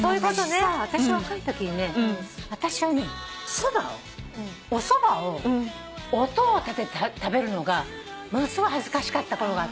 私若いときにおそばを音を立てて食べるのがものすごい恥ずかしかったころがあったの。